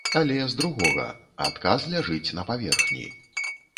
Але з другога, адказ ляжыць на паверхні.